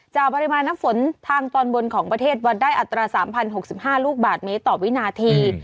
ปริมาณน้ำฝนทางตอนบนของประเทศวัดได้อัตรา๓๐๖๕ลูกบาทเมตรต่อวินาที